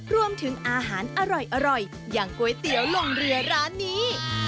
รวมถึงอาหารอร่อยอย่างก๋วยเตี๋ยวลงเรือร้านนี้